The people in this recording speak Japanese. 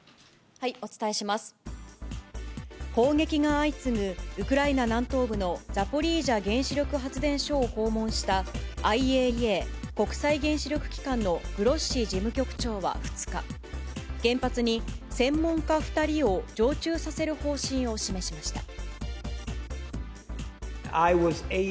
砲撃が相次ぐウクライナ南東部のザポリージャ原子力発電所を訪問した、ＩＡＥＡ・国際原子力機関のグロッシ事務局長は２日、原発に専門家２人を常駐させる方針を示しました。